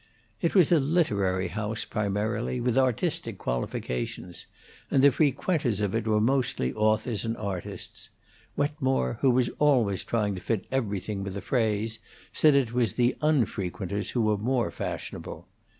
It was a literary house, primarily, with artistic qualifications, and the frequenters of it were mostly authors and artists; Wetmore, who was always trying to fit everything with a phrase, said it was the unfrequenters who were fashionable.